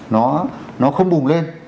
nó không bùng lên